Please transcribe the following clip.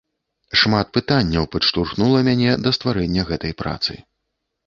Шмат пытанняў падштурхнула мяне да стварэння гэтай працы.